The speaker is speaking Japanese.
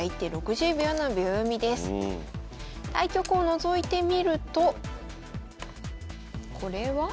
対局をのぞいてみるとこれは。